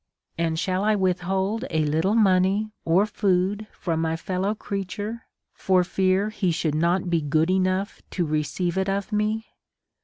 And shall I withhold a little money or food iiom my fellow creature, for fear he should not be good enough to receive it of me